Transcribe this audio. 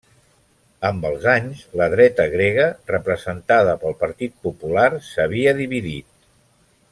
Amb els anys, la dreta grega, representada pel Partit Popular, s'havia dividit.